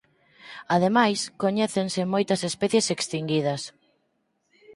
Ademais coñécense moitas especies extinguidas.